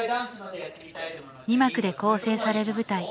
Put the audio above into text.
二幕で構成される舞台。